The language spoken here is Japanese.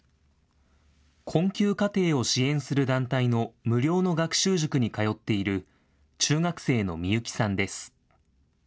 困窮家庭を支援する団体の無料の学習塾に通っている、中学生のみゆきさんです。